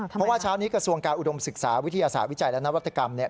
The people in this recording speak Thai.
เพราะว่าเช้านี้กระทรวงการอุดมศึกษาวิทยาศาสตร์วิจัยและนวัตกรรมเนี่ย